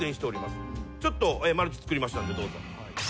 ちょっとマルチ作りましたんでどうぞ。